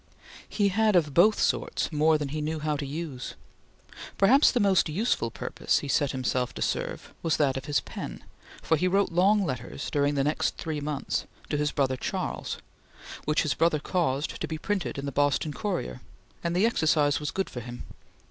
He had of both sorts more than he knew how to use. Perhaps the most useful purpose he set himself to serve was that of his pen, for he wrote long letters, during the next three months, to his brother Charles, which his brother caused to be printed in the Boston Courier; and the exercise was good for him.